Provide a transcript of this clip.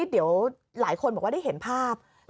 เดี๋ยวหลายคนบอกว่าได้เห็นภาพ